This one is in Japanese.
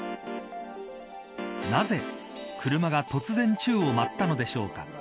なぜ車が突然宙を舞ったのでしょうか。